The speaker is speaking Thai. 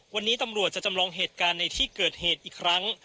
วันนี้ตำรวจจะจำลองเหตุการณ์ในที่เกิดเหตุอีกครั้ง